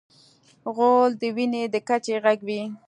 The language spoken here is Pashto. غول د وینې د کچې غږ کوي.